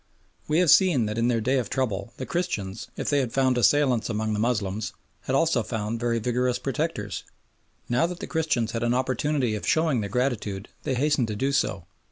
We have seen that in their day of trouble the Christians, if they had found assailants among the Moslems, had also found very vigorous protectors. Now that the Christians had an opportunity of showing their gratitude they hastened to do so.